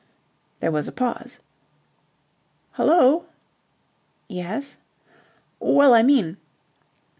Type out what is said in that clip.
There was a pause. "Hullo." "Yes?" "Well, I mean..."